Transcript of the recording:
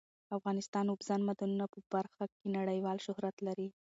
افغانستان د اوبزین معدنونه په برخه کې نړیوال شهرت لري.